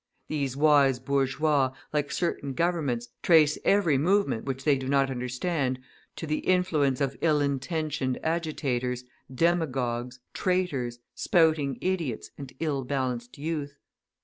These wise bourgeois, like certain governments, trace every movement which they do not understand, to the influence of ill intentioned agitators, demagogues, traitors, spouting idiots, and ill balanced youth.